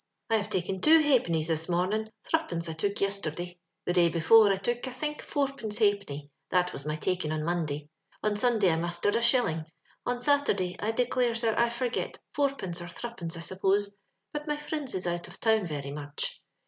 '^ I have taken two ha'pennies this morning ; thruppence I took yisterday ; the day before I took, I think, fourpence ha'penny ; Uiat was my taking on Monday ; on Sunday I mustered a shilling ; on Saturday — I declare, sir, I forgit — ^fourpence or thruppence, I suppose, but my frinds is out of town very much.